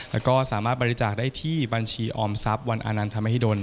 แล้วก็สามารถบริจาคได้ที่บัญชีออมทรัพย์วันอานันธรรมหิดล